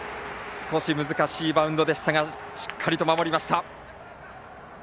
少し難しいバウンドでしたがしっかり守りました。